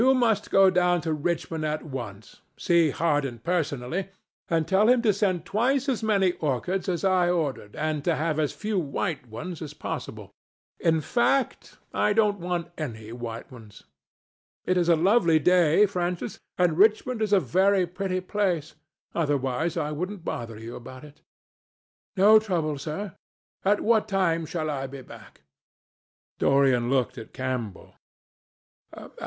You must go down to Richmond at once, see Harden personally, and tell him to send twice as many orchids as I ordered, and to have as few white ones as possible. In fact, I don't want any white ones. It is a lovely day, Francis, and Richmond is a very pretty place—otherwise I wouldn't bother you about it." "No trouble, sir. At what time shall I be back?" Dorian looked at Campbell.